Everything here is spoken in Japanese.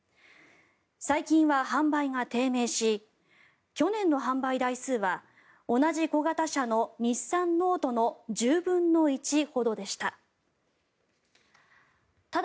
最近は販売が低迷し去年の販売台数は同じ小型車の日産ノートの１０分の１ほどでした。